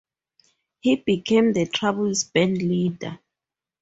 He became the troupe's bandleader.